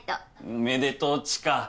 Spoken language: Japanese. おめでとう知花。